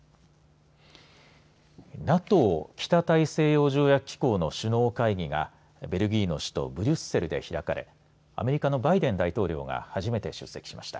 ＮＡＴＯ北大西洋条約機構の首脳会議がベルギーの首都ブリュッセルで開かれアメリカのバイデン大統領が初めて出席しました。